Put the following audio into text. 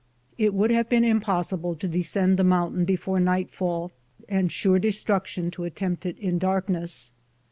It would have been impossible to descend the mountain before nightfall, and sure destruction to attempt it in darkness.